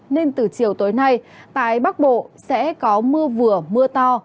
nên từ chiều tối nay tại bắc bộ sẽ có mưa vừa mưa to